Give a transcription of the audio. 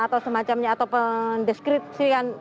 atau semacamnya atau pendeskripsian